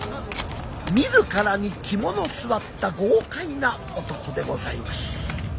見るからに肝の据わった豪快な男でございます。